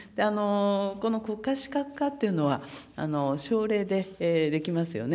この国家資格化というのは、省令でできますよね。